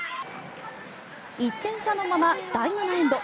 １点差のまま第７エンド。